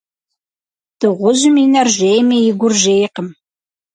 Дыгъужьым и нэр жейми, и гур жейкъым.